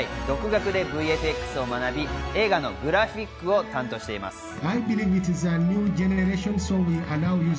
独学でＶＦＸを学び、映画のグラフィックを担当しています。